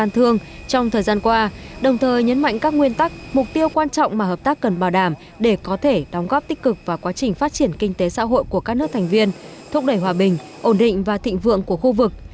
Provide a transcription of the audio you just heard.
trong thời gian qua đồng thời nhấn mạnh các nguyên tắc mục tiêu quan trọng mà hợp tác cần bảo đảm để có thể đóng góp tích cực vào quá trình phát triển kinh tế xã hội của các nước thành viên thúc đẩy hòa bình ổn định và thịnh vượng của khu vực